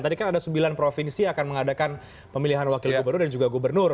tadi kan ada sembilan provinsi yang akan mengadakan pemilihan wakil gubernur dan juga gubernur